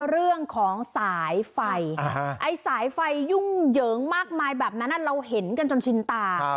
เรื่องของสายไฟไอ้สายไฟยุ่งเหยิงมากมายแบบนั้นเราเห็นกันจนชินตา